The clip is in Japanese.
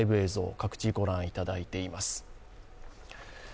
各地、ご覧いただいています。